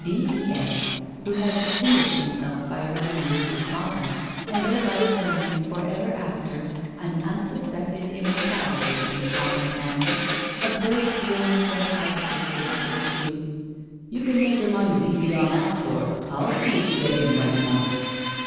D. £• F. who had distinguished himself by arresting Mrs. Toppin and thereby earning for ever after an un suspected immortality in the Toppin family, observed grimly from the height of his six foot two :" You can make yer minds easy on that score. Ill see as you get in right enough."